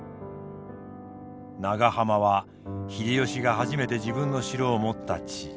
長浜は秀吉が初めて自分の城を持った地。